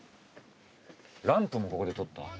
「ランプ」もここでとった？